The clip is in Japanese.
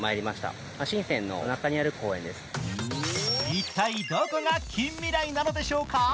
一体、どこが近未来なのでしょうか？